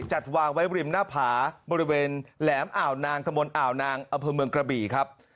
จัดวางไว้ริมหน้าผาบริเวณแหลมอ่าวนางตะบนอ่าวนางอำเภอเมืองกระบี่ครับ